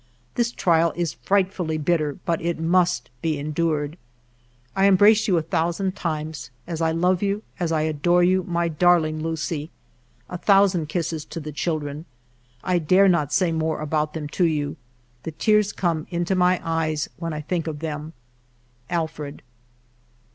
This trial is frightfully bitter, but it must be endured !*" I embrace you a thousand times, as I love you, as I adore you, my darling Lucie. " A thousand kisses to the children. I dare not say more about them to you ; the tears come into my eyes when I think of them. Alfred.'